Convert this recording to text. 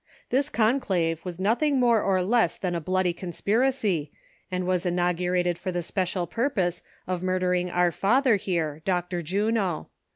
This conclave was nothing more or less than a bloody conspiracy, and was inaugurated for the special purpose of murdering our Father here, — Dr. Juno.